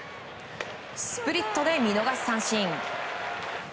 スプリットで見逃し三振。